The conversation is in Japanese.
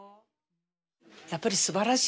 やっぱりすばらしい方だよ。